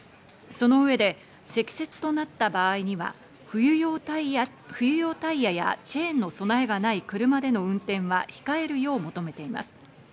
その上で積雪となった場合には、冬用タイヤやチェーンの備えがない車での運転は控えるよう求めています。